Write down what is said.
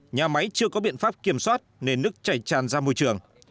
nhà máy chưa có biện pháp kiểm soát nên nước chảy tràn ra môi trường